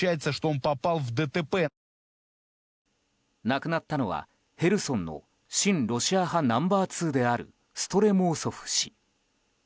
亡くなったのは、ヘルソンの親ロシア派ナンバー２であるストレモウソフ氏。